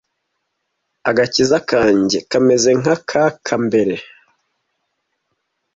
agakiza kanjye kameze nkaka mbere